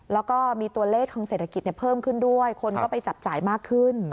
แล้วก็มีตัวเลขทางเศรษฐกิจเพิ่มขึ้นด้วยคนก็ไปจับจ่ายมากขึ้น